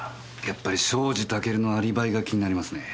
やっぱり庄司タケルのアリバイが気になりますね。